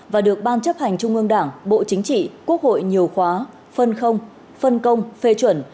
và được ban chấp hành trung ương đảng bộ chính trị quốc hội nhiều khóa phân công phê chuẩn